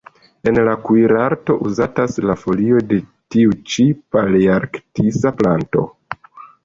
En la kuirarto uzatas la folioj de tiu ĉi palearktisa planto.